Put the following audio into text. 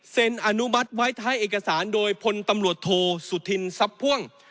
อนุมัติไว้ท้ายเอกสารโดยพลตำรวจโทสุธินทรัพย์พ่วง